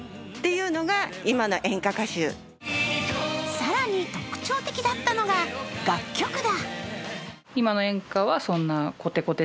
更に、特徴的だったのが楽曲だ。